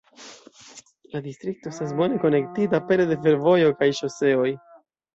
La distrikto estas bone konektita pere de fervojo kaj ŝoseoj.